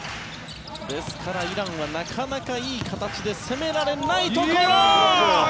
ですからイランはなかなかいい形で攻められないところ。